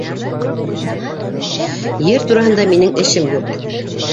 Ер тураһында минең эшем юҡ.